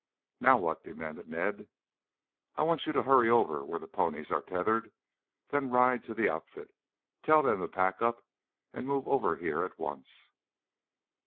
"Now what?" demanded Ned. "I want you to hurry over to where the ponies are tethered, then ride to the outfit. Tell them to pack up and move over here at once."